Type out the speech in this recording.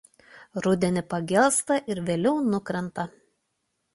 Rudenį pagelsta ir vėliau nukrenta.